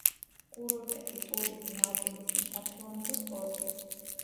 კურორტები, ტურიზმი, ალპინიზმი, სათხილამურო სპორტი.